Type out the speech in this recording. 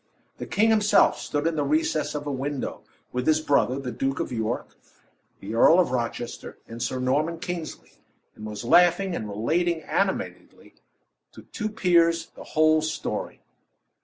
The king himself stood in the recess of a window, with his brother, the Duke of York, the Earl of Rochester, and Sir Norman Kingsley, and was laughing and relating animatedly to the two peers the whole story.